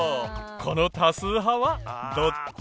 この多数派はどっち？